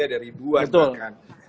ada ribuan bahkan